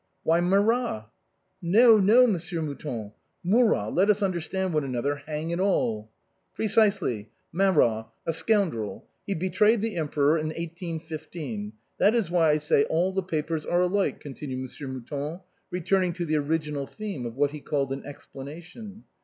"Why, Marat." " No, no, Monsieur Mouton. Murat, let us understand one another, hang it all !" "Precisely, Marat, a scoundrel. He betrayed the Em peror in 1815. That is why I say all the papers are alike," continued Monsieur Mouton, returning to the original theme of what he called an explanation.